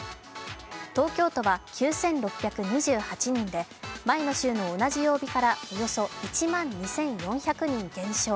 東京都は９６２８人で前の週の同じ曜日からおよそ１万２４００人減少。